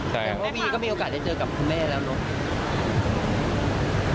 แต่แม่ก็มีโอกาสเจอกับคุณแม่แล้วเนอะ